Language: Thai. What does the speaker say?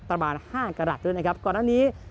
ประมาณห้ากระหัสด้วยนะครับก่อนหน้านี้